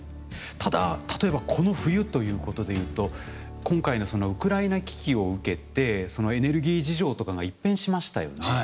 ただ例えばこの冬ということでいうと今回のウクライナ危機を受けてエネルギー事情とかが一変しましたよね。